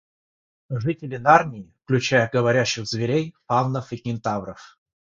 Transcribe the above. Жители Нарнии, включая говорящих зверей, фавнов и кентавров